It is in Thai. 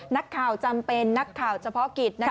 จำเป็นนักข่าวเฉพาะกิจ